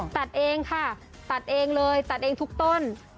ตัดเองค่ะตัดเองเลยตัดเองทุกต้น